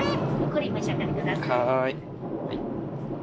はい。